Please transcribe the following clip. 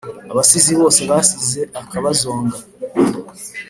Abasizi bose basize akabazonga,